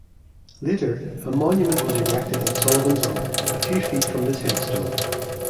Later, a monument was erected in Sullivan's honor, a few feet from his headstone.